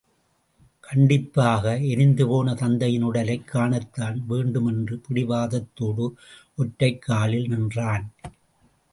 கண்டிப்பாக எரிந்துபோன தத்தையின் உடலைக் காணத்தான் வேண்டுமென்று பிடிவாதத்தோடு ஒற்றைக் காலில் நின்றான்.